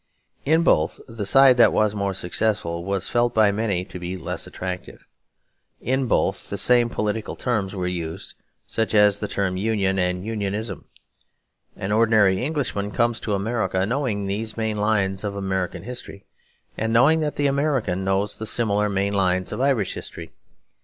In both the side that was more successful was felt by many to be less attractive. In both the same political terms were used, such as the term 'Union' and 'Unionism.' An ordinary Englishman comes to America, knowing these main lines of American history, and knowing that the American knows the similar main lines of Irish history.